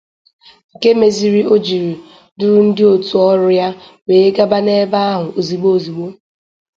nke mezịrị o jiri duru ndị òtù ọrụ ya wee gaba n'ebe ahụ ozigbo ozigbo.